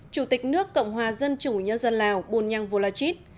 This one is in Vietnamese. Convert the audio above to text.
chủ tịch nước cộng hòa dân chủ nhân dân lào bùn nhang vô loa chít